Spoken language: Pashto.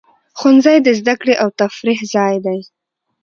ښوونځی د زده کړې او تفریح ځای دی.